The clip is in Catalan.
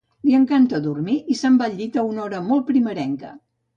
Li encanta dormir i se'n va al llit a una hora molt primerenca.